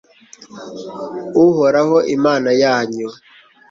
uhoraho, imana yanyu